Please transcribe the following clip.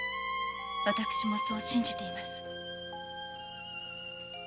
私もそう信じています。